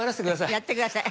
やってください。